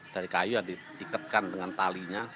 dari kayu yang diikatkan dengan talinya